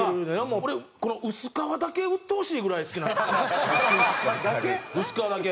この薄皮だけ売ってほしいぐらい好きなんですよ。だけ？